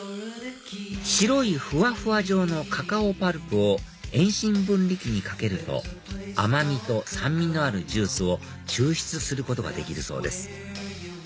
白いふわふわ状のカカオパルプを遠心分離機にかけると甘味と酸味のあるジュースを抽出することができるそうです